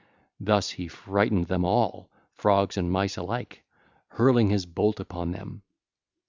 Thus he frightened them all, Frogs and Mice alike, hurling his bolt upon them.